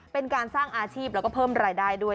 เป็นการสร้างอาชีพแล้วก็เพิ่มรายได้ด้วย